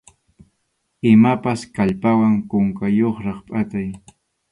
Imapas kallpawan kunkayuqraq phatay.